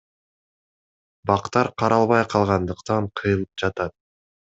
Бактар каралбай калгандыктан кыйылып жатат.